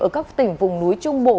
ở các tỉnh vùng núi trung bộ